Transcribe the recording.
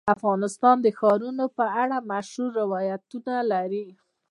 افغانستان د ښارونو په اړه مشهور روایتونه لري.